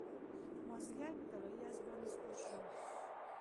مازدیګر په طلايي اس باندې سپور شو